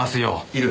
いる。